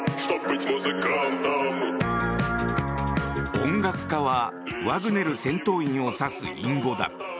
音楽家はワグネル戦闘員を指す隠語だ。